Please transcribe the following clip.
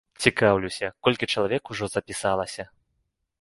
Цікаўлюся, колькі чалавек ужо запісалася?